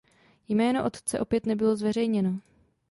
Jméno otce opět nebylo zveřejněno.